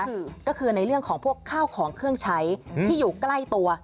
ก็คือในเรื่องของพวกข้าวของเครื่องใช้ที่อยู่ใกล้ตัว